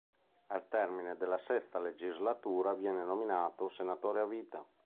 Al termine della sesta legislatura viene nominato senatore a vita.